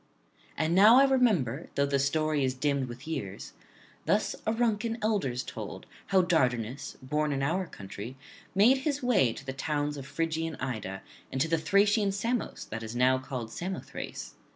And now I remember, though the story is dimmed with years, thus Auruncan elders told, how Dardanus, born in this our country, made his way to the towns of Phrygian Ida and to the Thracian Samos that is now called Samothrace.